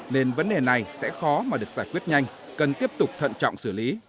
nên vấn đề này sẽ khó mà được giải quyết nhanh cần tiếp tục thận trọng xử lý